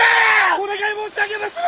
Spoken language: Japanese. お願い申し上げまする！